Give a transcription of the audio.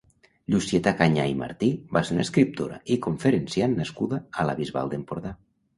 Llucieta Canyà i Martí va ser una escriptora i conferenciant nascuda a la Bisbal d'Empordà.